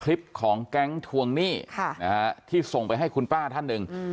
คลิปของแก๊งทวงหนี้ที่ส่งไปให้คุณป้าท่านหนึ่ง